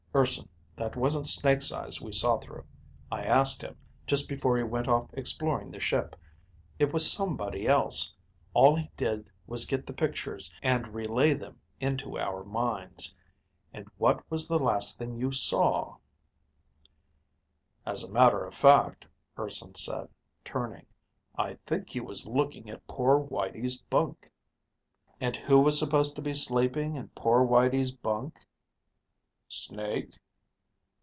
"Urson, that wasn't Snake's eyes we saw through. I asked him, just before he went off exploring the ship. It was somebody else. All he did was get the pictures and relay them into our minds. And what was the last thing you saw?" "As a matter of fact," Urson said, turning, "I think he was looking at poor Whitey's bunk." "And who was supposed to be sleeping in poor Whitey's bunk?" "Snake?"